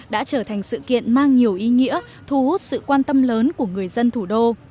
đã trở thành sự kiện mang nhiều ý nghĩa thu hút sự quan tâm lớn của người dân thủ đô